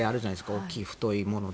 大きい太いもので。